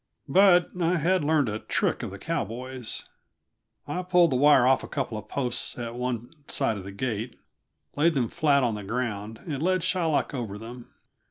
But I had learned a trick of the cowboys. I pulled the wire off a couple of posts at one side of the gate, laid them flat on the ground, and led Shylock over them.